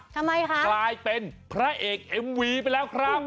ทำไมคะกลายเป็นพระเอกเอ็มวีไปแล้วครับ